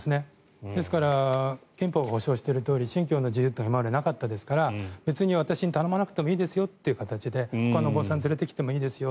ですから憲法が保障しているとおり信教の自由は今までなかったですから別に私に頼まなくてもいいですよという形でほかのお坊さんを連れてきてもいいですよ